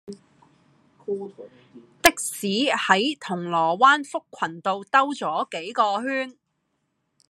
的士喺銅鑼灣福群道兜左幾個圈